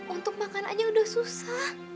untuk makan aja udah susah